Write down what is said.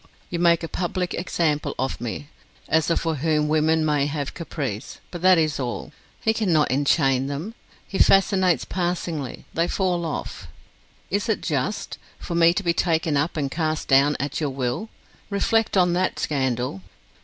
You make a public example of me as a for whom women may have a caprice, but that is all; he cannot enchain them; he fascinates passingly; they fall off. Is it just, for me to be taken up and cast down at your will? Reflect on that scandal!